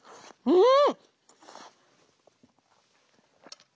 うん！